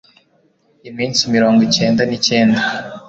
iminsi mirongo icyenda ni cyenda